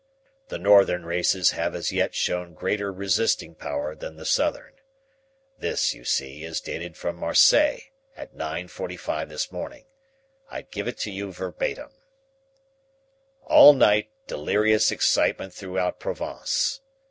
The Northern races have as yet shown greater resisting power than the Southern. This, you see, is dated from Marseilles at nine forty five this morning. I give it to you verbatim: "'All night delirious excitement throughout Provence.